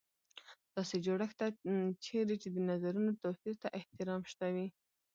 داسې جوړښت ته چېرې چې د نظرونو توپیر ته احترام شته وي.